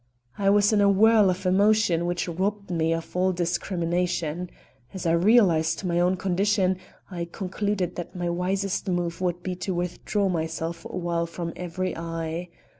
I was in a whirl of emotion which robbed me of all discrimination. As I realized my own condition, I concluded that my wisest move would be to withdraw myself for a time from every eye.